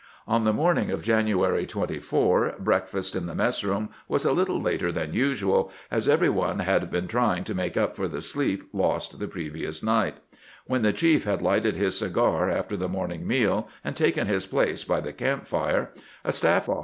On the morning of January 24 breakfast in the mess room was a little later than usual, as every one had been HOW GRANT BECAME A CONFIRMED SMOKER 381 trying to make Tip for tlie sleep lost the previous night. When the chief had lighted his cigar after the morning meal, and taken his place by the camp fire, a staf£ oflS.